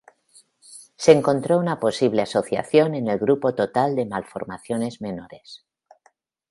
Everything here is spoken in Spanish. Se encontró una posible asociación en el grupo total con malformaciones menores.